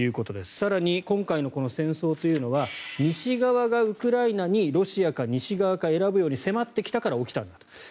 更に、今回の戦争というのは西側がウクライナにロシアか西側か選ぶように迫ってきたから起きたんだと。